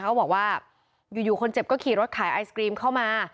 เขาบอกว่าอยู่คนเจ็บก็ขี่รถขายไอศกรีมเข้ามา